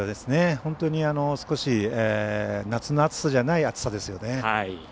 本当に少し、夏の暑さじゃない暑さですよね。